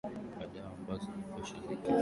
wa dawa ambazo zipo chini ya kiwango